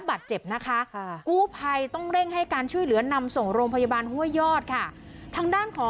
มีประชาชนในพื้นที่เขาถ่ายคลิปเอาไว้ได้ค่ะ